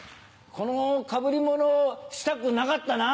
このかぶり物したくなかったな。